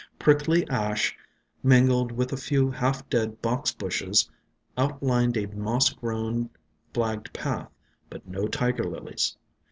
Prickly Ash, min gled with a few half dead Box Bushes, outlined a moss grown flagged path; but no Tiger Lilies.